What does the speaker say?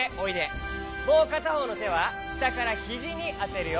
もうかたほうのてはしたからひじにあてるよ。